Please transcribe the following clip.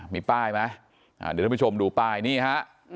มีป้ายไหมเดี๋ยวท่านผู้ชมดูป้ายนี่ฮะ